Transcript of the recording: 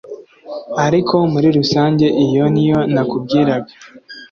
ariko muri rusange iyo niyo nakubwiraga